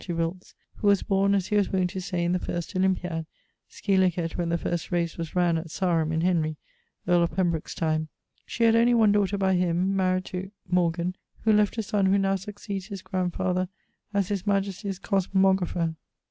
Wilts, who was borne as he was wont to say 'in the first Olympiad,' scil. when the first race was ran at Sarum in Henry, earle of Pembroke's time. She had only one daughter by him, maried to ... Morgan, who left a son who now suceeds his grandfather as his majestie's cosmographer.